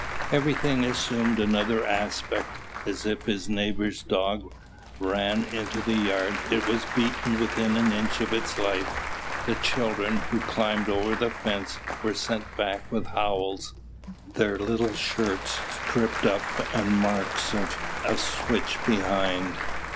Everything assumed another aspect. If his neighbour's dog ran into the yard, it was beaten within an inch of its life; the children, who climbed over the fence, were sent back with howls, their little shirts stripped up, and marks of a switch behind.